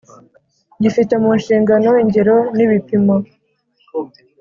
gifite mu nshingano ingero n ibipimo.